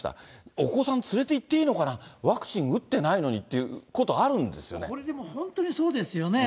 お子さん連れていっていいのかな、ワクチン打ってないのにっていうこれでも本当にそうですよね。